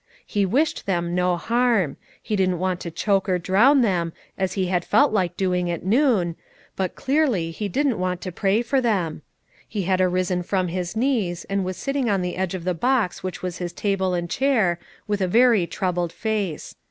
He wished them no harm: he didn't want to choke or drown them, as he had felt like doing at noon, but clearly he didn't want to pray for them. He had arisen from his knees, and was sitting on the edge of the box which was his table and chair, with a very troubled face.